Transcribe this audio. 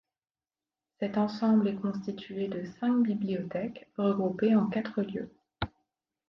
Cet ensemble est constitué de cinq bibliothèques regroupées en quatre lieux.